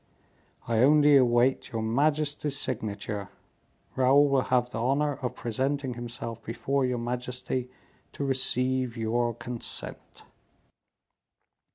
"I only await your majesty's signature. Raoul will have the honor of presenting himself before your majesty to receive your consent."